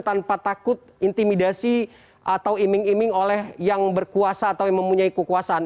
tanpa takut intimidasi atau iming iming oleh yang berkuasa atau yang mempunyai kekuasaan